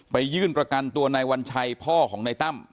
ยื่นประกันตัวนายวัญชัยพ่อของนายตั้ม